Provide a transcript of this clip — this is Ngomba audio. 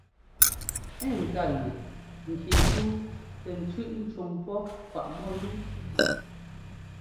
Ɛ́ ŋká luu ŋki zúu tɛ tsʉ́ꞌ cúŋ pɔ́ kwaꞌ mɔ́yúu.